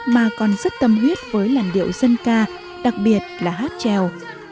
mà còn rất tâm huyết với làn điệu dân ca đặc biệt là hát trèo